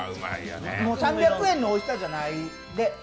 もう３００円のおいしさじゃない。